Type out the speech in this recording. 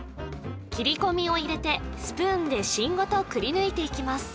切り込みを入れてスプーンで芯ごとくりぬいていきます